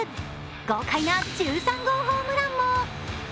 豪快な１３号ホームランも。